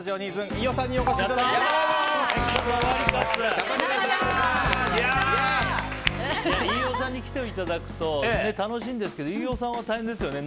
飯尾さんに来ていただくと楽しいんですけど飯尾さんは大変ですよね。